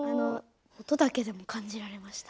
音だけでも感じられました。